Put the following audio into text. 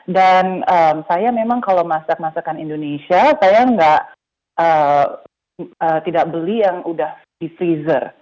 dan saya memang kalau masak masakan indonesia saya tidak beli yang sudah di freezer